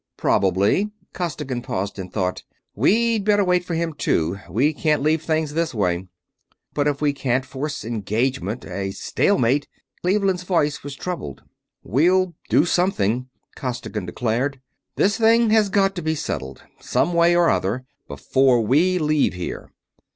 "Probably." Costigan paused in thought. "We'd better wait for him, too. We can't leave things this way." "But if we can't force engagement ... a stalemate...." Cleveland's voice was troubled. "We'll do something!" Costigan declared. "This thing has got to be settled, some way or other, before we leave here.